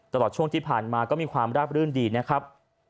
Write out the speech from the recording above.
ตลอดช่วงที่ผ่านมาก็มีความราบรื่นดีนะครับ